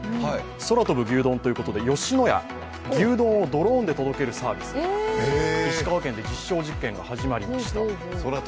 空飛ぶ牛丼ということで吉野家、牛丼をドローンで届けるサービス、石川県で実証実験が始まりました。